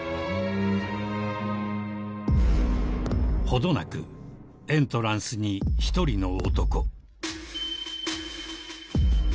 ［程なくエントランスに１人の男］